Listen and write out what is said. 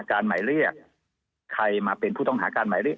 หมายเรียกใครมาเป็นผู้ต้องหาการหมายเรียก